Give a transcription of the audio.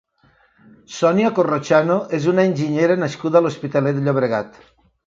Sonia Corrochano és una enginyera nascuda a l'Hospitalet de Llobregat.